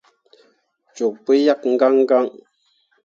Cok pu yak gãn gãn.